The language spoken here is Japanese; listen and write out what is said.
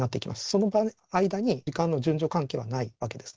その間に時間の順序関係はないわけですね。